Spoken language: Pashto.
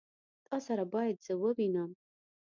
تا سره بايد زه ووينم.